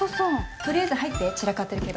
取りあえず入って散らかってるけど。